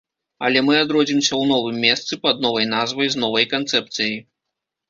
Але мы адродзімся ў новым месцы, пад новай назвай, з новай канцэпцыяй.